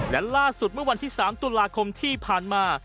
และล่าสุดเมื่อวันที่๓ตุลาคมที่ผ่านมา